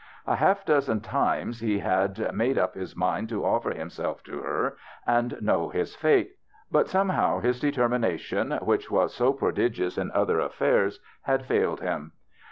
A half dozen times he had made up his mind to offer himself to her and know his fate, but somehow his determination, which was so prodigious in other affairs, had failed him.